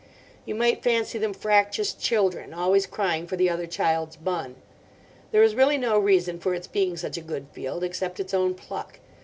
You might fancy them fractious children, always crying for the other child's bun. There is really no reason for its being such a good field, except its own pluck.